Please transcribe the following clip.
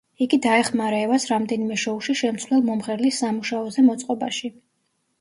იგი დაეხმარა ევას რამდენიმე შოუში შემცვლელ მომღერლის სამუშაოზე მოწყობაში.